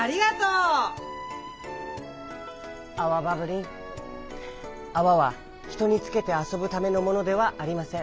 アワバブリンあわはひとにつけてあそぶためのものではありません。